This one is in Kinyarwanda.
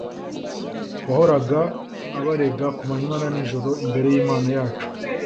wahoraga abarega ku manywa na nijoro imbere y’Imana yacu.